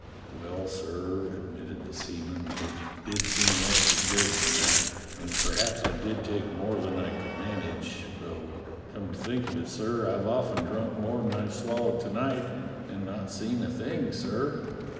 "Well, sir," admitted the seaman, "it did seem extra good to night, and perhaps I did take more than I could manage; though come to think of it, sir, I've often drunk more than I've swallowed to night and not seen a thing, sir."